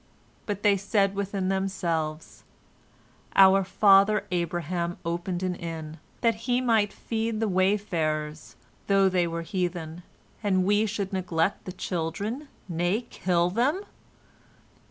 But they said within themselves: "Our father Abraham opened an inn, that he might feed the wayfarers, though they were heathen, and we should neglect the children, nay, kill them?